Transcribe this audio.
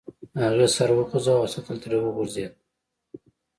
هغې سر وخوزاوه او سطل ترې وغورځید.